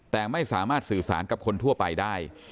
แต่ไม่สามารถสื่อสารกับคนทั่วไปได้